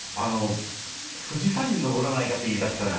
「富士山に登らないか？」って言いだしたんですね。